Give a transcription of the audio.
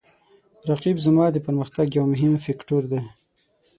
رقیب زما د پرمختګ یو مهم فکتور دی